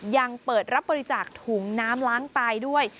ยังเปิดรับบริจาคถุงน้ำล้างตายด้วย